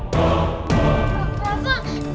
ya aku mau makan